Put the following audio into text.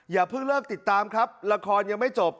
อย่าเพิ่งเลิกติดตามครับละครยังไม่จบ